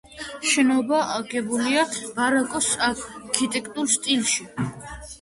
შენობა აგებულია ბაროკოს არქიტექტურულ სტილში.